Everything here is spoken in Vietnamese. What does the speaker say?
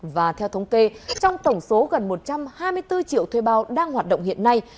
và theo thống kê trong tổng số gần một trăm hai mươi bốn triệu thuê bao đang hoạt động hiện nay